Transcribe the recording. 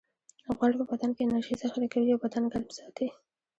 غوړ په بدن کې انرژي ذخیره کوي او بدن ګرم ساتي